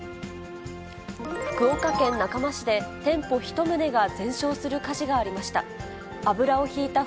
福岡県中間市で店舗１棟が全焼する火事がありました。